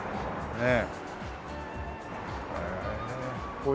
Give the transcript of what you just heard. ねえ。